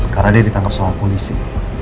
karena dia ditangkap oleh polisi